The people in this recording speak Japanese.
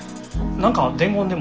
何か伝言でも？